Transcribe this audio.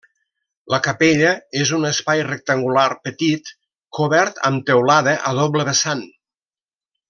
La capella és un espai rectangular petit, cobert amb teulada a doble vessant.